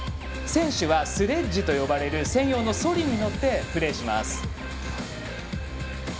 選手は、スレッジと呼ばれる専用のそりに乗ってプレーします。